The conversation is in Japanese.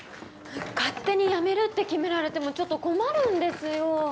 勝手にやめるって決められてもちょっと困るんですよ